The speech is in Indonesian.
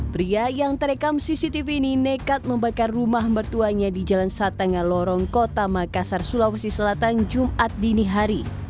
pria yang terekam cctv ini nekat membakar rumah mertuanya di jalan satanga lorong kota makassar sulawesi selatan jumat dini hari